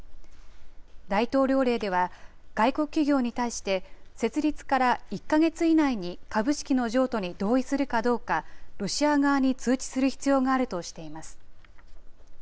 大統領令では、外国企業に対して、設立から１か月以内に株式の譲渡に同意するかどうか、ロシア側に通知する必要があるとしています。